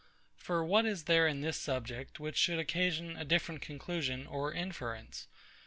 For what is there in this subject, which should occasion a different conclusion or inference?